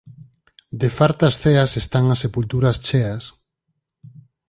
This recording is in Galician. De fartas ceas están as sepulturas cheas